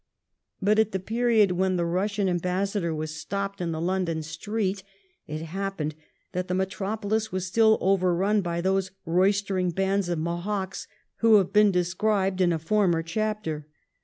But at the period when the Eussian ambassador was stopped in the London street it happened that the metropolis was still overrun by those roystering bands of Mohocks who have been described in a former chapter.